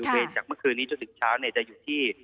เปลี่ยนจากเมื่อคืนนี้จนถึงเช้าจะอยู่ที่